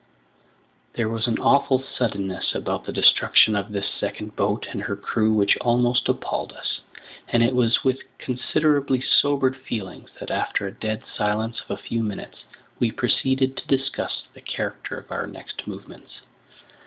There was an awful suddenness about the destruction of this second boat and her crew which almost appalled us, and it was with considerably sobered feelings that, after a dead silence of a few minutes, we proceeded to discuss the character of our next movements.